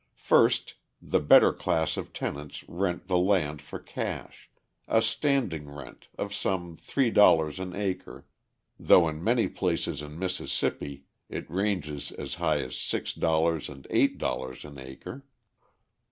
First, the better class of tenants rent the land for cash, a "standing rent" of some $3 an acre, though in many places in Mississippi it ranges as high as $6 and $8 an acre.